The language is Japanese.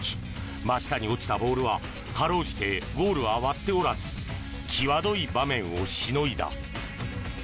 真下に落ちたボールはかろうじてゴールは割っておらず際どい場面をしのいだ。